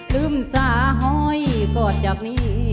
ลืมสาหอยกอดจากนี้